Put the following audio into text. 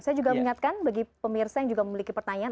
saya juga mengingatkan bagi pemirsa yang juga memiliki pertanyaan